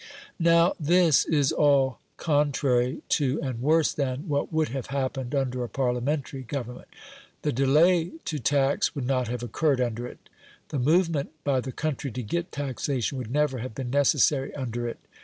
Now this is all contrary to and worse than what would have happened under a Parliamentary government. The delay to tax would not have occurred under it: the movement by the country to get taxation would never have been necessary under it.